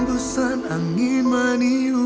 aku akan mencari kamu